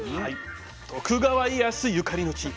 徳川家康ゆかりの地三方原